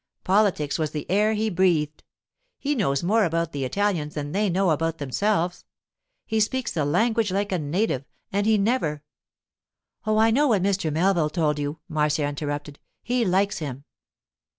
Politics was in the air he breathed. He knows more about the Italians than they know about themselves. He speaks the language like a native, and he never——' 'Oh, I know what Mr. Melville told you,' Marcia interrupted. 'He likes him.